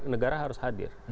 negara harus hadir